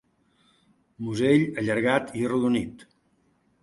Musell allargat i arrodonit.